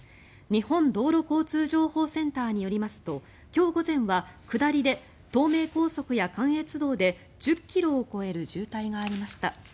日本道路交通情報センターによりますと今日午前は下りで東名高速や関越道で１０ｋｍを超える渋滞がありました。